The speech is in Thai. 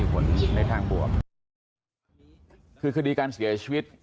คือคดีการเสียชีวิต